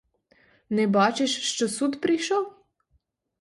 Не бачиш, що суд прийшов?